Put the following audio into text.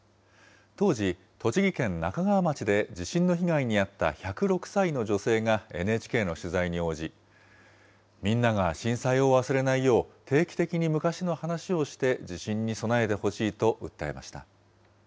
当時、栃木県那珂川町で地震の被害に遭った１０６歳の女性がＮＨＫの取材に応じ、みんなが震災を忘れないよう、定期的に昔の話をして、地震に備えてほしいと訴えました。